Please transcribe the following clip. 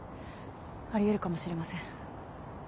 あり得るかもしれません。